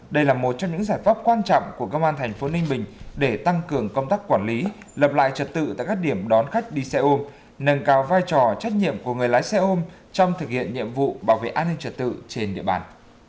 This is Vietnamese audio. đây là một trong những giải pháp quan trọng của công an thành phố ninh bình để tăng cường công tác quản lý lập lại trật tự tại các điểm đón khách đi xe ôm nâng cao vai trò trách nhiệm của người lái xe ôm trong thực hiện nhiệm vụ bảo vệ an ninh trật tự trên địa bàn